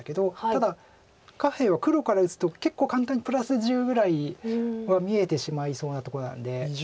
ただ下辺は黒から打つと結構簡単にプラス１０ぐらいは見えてしまいそうなとこなんで。